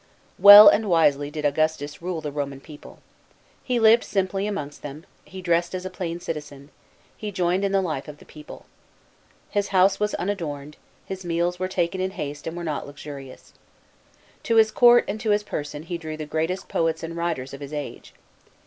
Well and wisely did Augustus rule the Roman people. He lived simply amongst them, he dressed as a plain citizen, he joined in the life of the people. His house was unadorned, his meals were taken in haste and were not luxurious. To his Court and to his person he drew the greatest poets and writers of his age.